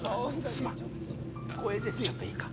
すまんちょっといいか？